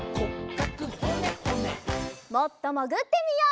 もっともぐってみよう。